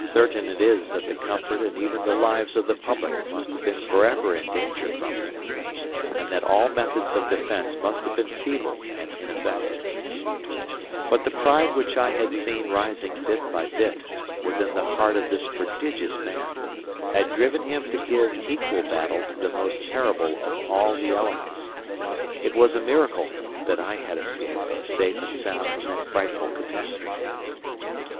Certain it is that the comfort and even the lives of the public must have been forever in danger from him; and that all methods of defence must have been feeble and ineffective. But the pride which I had seen rising bit by bit within the heart of this prodigious man had driven him to give equal battle to the most terrible of all the elements. It was a miracle that I had escaped safe and sound from that frightful catastrophe.